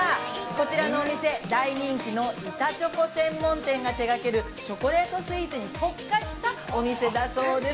こちらのお店、大人気の板チョコ専門店が手がけるチョコレートスイーツに特化したお店だそうです。